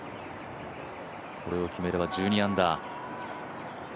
これを決めれば１２アンダー。